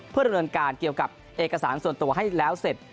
เพื่อดำเนินการเกี่ยวกับเอกสารส่วนตัวให้แล้วเสร็จ